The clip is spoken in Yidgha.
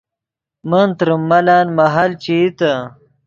من تریم ملن مہل چے ایتے